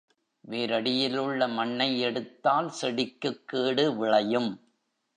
வேரடியிலுள்ள மண்ணை எடுத்தால் செடிக்குக் கேடு விளையும்.